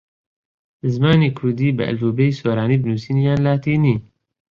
زمانی کوردی بە ئەلفوبێی سۆرانی بنووسین یان لاتینی؟